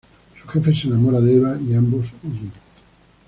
Su jefe se enamora de Eva y ambos huyen.